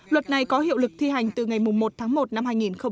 luật này có hiệu lực thi hành từ ngày một tháng một năm hai nghìn hai mươi